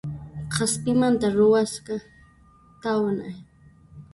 K'aspimanta ruwasqa tawna